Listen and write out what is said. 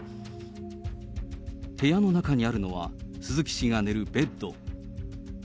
部屋の中にあるのは鈴木氏が寝るベッド。